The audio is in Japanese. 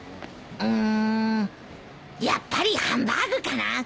うんやっぱりハンバーグかな。